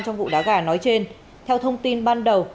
trong vụ đá gà nói trên theo thông tin ban đầu